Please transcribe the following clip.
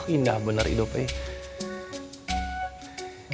indah bener hidupnya